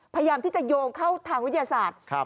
พยายามที่จะโยงเข้าทางวิทยาศาสตร์